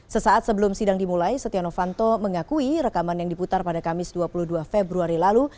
sesaat sebelum sidang dimulai setia novanto mengakui rekaman yang diputar pada kamis dua puluh dua februari lalu